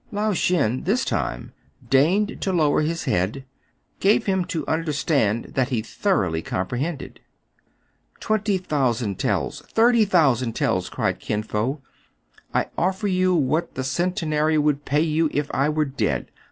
Lao Shen, this time deigning to lower his head, gave him to understand that he thoroughly com prehended. " Twenty thousand taels ! Thirty thousand taels !" cried Kin Fo. " I offer you what the Cen tenary would pay you if I were dead.